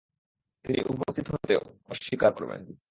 তিনি উপস্থিত হতে অস্বীকার করবেন।